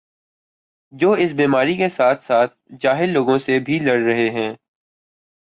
جو اس بیماری کے ساتھ ساتھ جاہل لوگوں سے بھی لڑ رہے ہیں